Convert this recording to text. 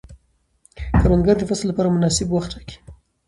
کروندګر د فصل لپاره مناسب وخت ټاکي